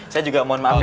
saya juga mohon maaf pak